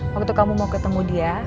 waktu kamu mau ketemu dia